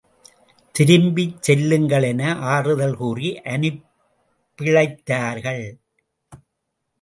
திரும்பிக் செல்லுங்கள் என ஆறுதல் கூறி அனுப்பிளைத்தார்கள்.